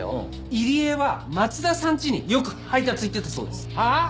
入江は松田さんちによく配達行ってたそうです。はあ！？